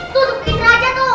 aduh bisa di tau